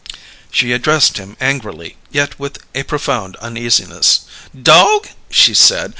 She addressed him angrily, yet with a profound uneasiness. "Dog!" she said.